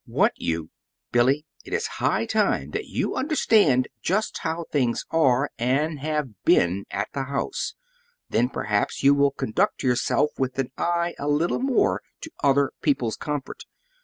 "Want you! Billy, it is high time that you understand just how things are, and have been, at the house; then perhaps you will conduct yourself with an eye a little more to other people's comfort.